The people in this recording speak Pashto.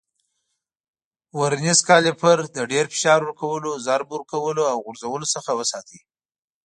ورنیز کالیپر له ډېر فشار ورکولو، ضرب ورکولو او غورځولو څخه وساتئ.